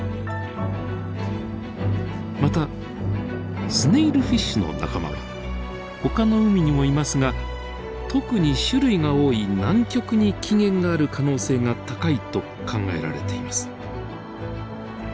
またスネイルフィッシュの仲間はほかの海にもいますが特に種類が多い南極に起源がある可能性が高いと考えられています。